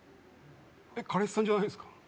彼氏さんじゃないんすか？